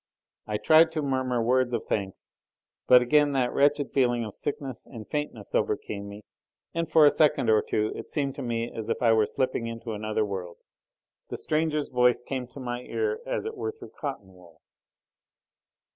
I tried to murmur words of thanks, but again that wretched feeling of sickness and faintness overcame me, and for a second or two it seemed to me as if I were slipping into another world. The stranger's voice came to my ear, as it were through cotton wool.